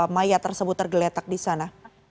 mayat tersebut tergeletak di sana